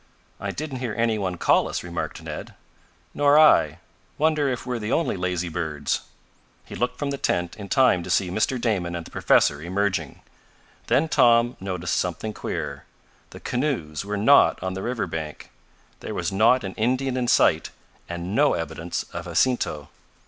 "I didn't hear any one call us," remarked Ned. "Nor I. Wonder if we're the only lazy birds." He looked from the tent in time to see Mr. Damon and the professor emerging. Then Tom noticed something queer. The canoes were not on the river bank. There was not an Indian in sight, and no evidence of Jacinto.